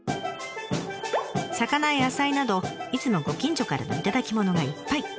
魚や野菜などいつもご近所からの頂きものがいっぱい。